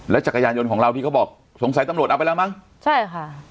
จักรยานยนต์ของเราที่เขาบอกสงสัยตำรวจเอาไปแล้วมั้งใช่ค่ะ